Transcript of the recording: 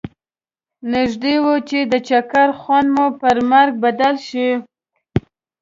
نږدي و چې د چکر خوند مو پر مرګ بدل شي.